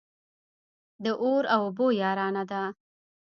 د اور او اوبو يارانه ده.